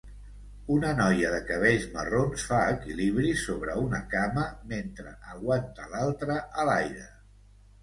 Una noia de cabells marrons fa equilibris sobre una cama mentre aguanta l'altra a l'aire.